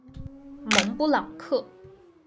蒙布朗克。